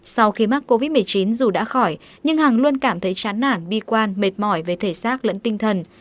sau khi mắc covid một mươi chín dù đã khỏi nhưng hằng luôn cảm thấy chán nản bi quan mệt mỏi về thể xác lẫn tinh thần